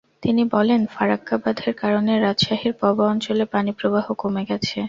তিনি বলেন, ফারাক্কা বাঁধের কারণে রাজশাহীর পবা অঞ্চলে পানিপ্রবাহ কমে গেছে।